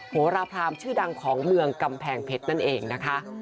โหราพรามชื่อดังของเมืองกำแพงเพชรนั่นเองนะคะ